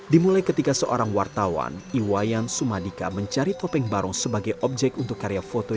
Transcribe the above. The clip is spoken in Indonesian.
dimulai ketika seorang wartawan iwayan sumadika mencari topeng barong sebagai objek untuk karya foto